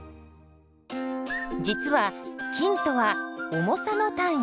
実は「斤」とは「重さ」の単位。